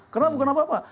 kenapa bukan apa apa